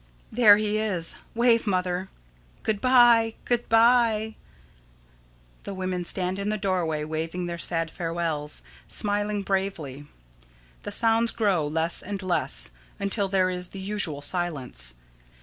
_] There he is! Wave, Mother. Good by! good by! [_The women stand in the doorway, waving their sad farewells, smiling bravely. The sounds grow less and less, until there is the usual silence.